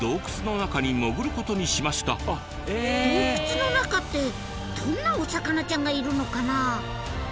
洞窟の中ってどんなお魚ちゃんがいるのかな？